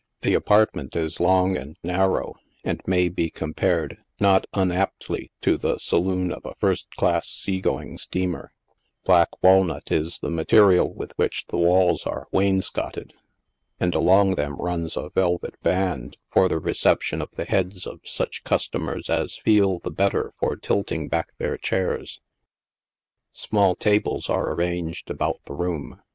The apartment is long and narrow, and may be compared, not unaptly, to the saloon of a first class, sea going steamer, Black walnut is the material with which the walls are wainscotted, and along them runs a velvet band, for the reception of 68 NIGHT SIDE OF NEW YORK. the heads of such customers as feel the better for tilting back their chairs. Small tables are arranged about the room.